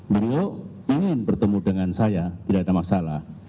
beliau ingin bertemu dengan saya tidak ada masalah